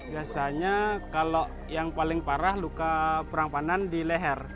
biasanya kalau yang paling parah luka perang panan di leher